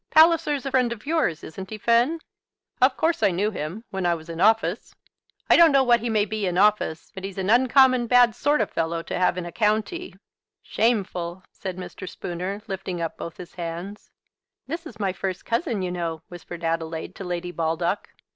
Palliser's a friend of yours isn't he, Finn?" "Of course I knew him, when I was in office." "I don't know what he may be in office, but he's an uncommon bad sort of fellow to have in a county." "Shameful!" said Mr. Spooner, lifting up both his hands. "This is my first cousin, you know," whispered Adelaide, to Lady Baldock.